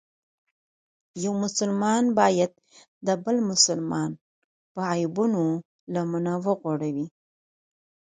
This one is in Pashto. یو مسلمان باید د بل مسلمان په عیبونو لمنه وغوړوي.